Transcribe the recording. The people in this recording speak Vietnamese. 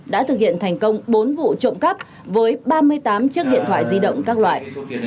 đã thực hiện thành công bốn vụ trộm cắp với ba mươi tám chiếc điện thoại di động các loại